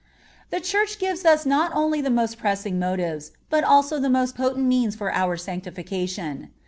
The Church gives us not only the most pressing motives, but also the most potent means for our sanctification.